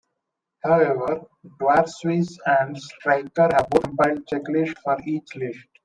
However, Dwarshuis and Strycker have both compiled checklists for each list.